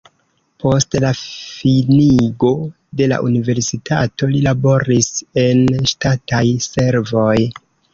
Post la finigo de la universitato li laboris en ŝtataj servoj.